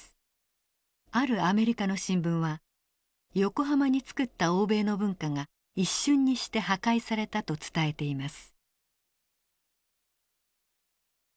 あるアメリカの新聞は横浜に作った欧米の文化が一瞬にして破壊されたと伝えています。